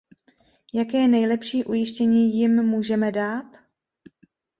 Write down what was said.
Jaké nejlepší ujištění jim můžeme dát?